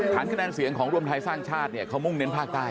คะแนนเสียงของรวมไทยสร้างชาติเนี่ยเขามุ่งเน้นภาคใต้